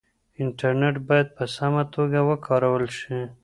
انټرنټ بايد په سمه توګه وکارول شي.